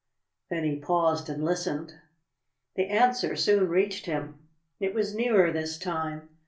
_" Then he paused and listened. The answer soon reached him. It was nearer this time.